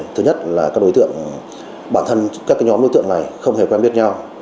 thứ nhất là các đối tượng bản thân các nhóm đối tượng này không hề quen biết nhau